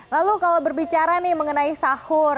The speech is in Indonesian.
lalu kalau berbicara nih mengenai sahur